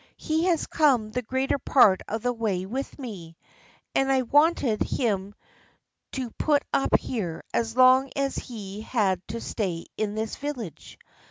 "He has come the greater part of the way with me, and I wanted him to put up here as long as he had to stay in this village.